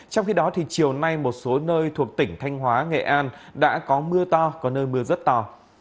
trong khi đó chiều nay một số nơi thuộc tỉnh thanh hóa nghệ an đã có mưa to có nơi mưa rất to